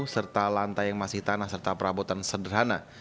serta lantai yang masih tanah serta perabotan sederhana